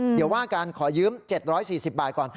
เดี๋ยวว่าการขอยืม๗๔๐บาทก่อน